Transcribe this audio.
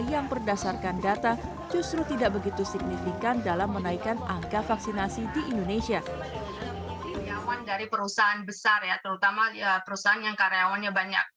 yang berdasarkan data justru tidak begitu signifikan dalam menaikkan angka vaksinasi di indonesia